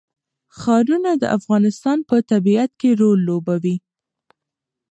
ښارونه د افغانستان په طبیعت کې رول لوبوي.